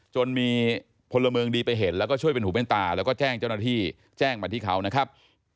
จนมีพลเมืองดีไปเห็นแล้วก็ช่วยเป็นหูเป็นตาแล้วก็แจ้งเจ้าหน้าที่แจ้งมาที่เขานะครับ